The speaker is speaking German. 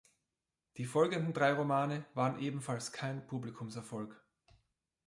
Die folgenden drei Romane waren ebenfalls kein Publikumserfolg.